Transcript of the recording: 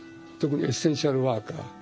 特にエッセンシャルワーカー。